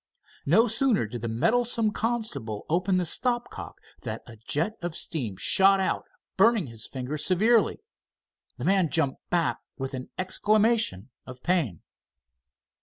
No sooner did the meddlesome constable open the stop cock that a jet of steam shot out, burning his fingers severely. The man jumped back with an exclamation of pain.